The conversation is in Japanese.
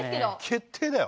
決定だよ。